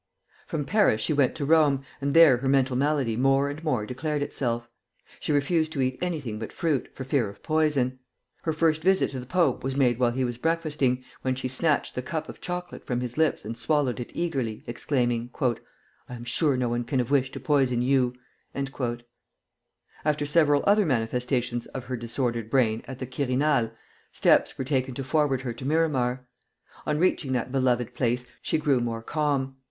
From Paris she went to Rome, and there her mental malady more and more declared itself. She refused to eat anything but fruit, for fear of poison. Her first visit to the pope was made while he was breakfasting, when she snatched the cup of chocolate from his lips and swallowed it eagerly, exclaiming: "I am sure no one can have wished to poison you!" After several other manifestations of her disordered brain at the Quirinal, steps were taken to forward her to Miramar. On reaching that beloved place, she grew more calm.